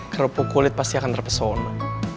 kerupuk kulit pasti akan terpesona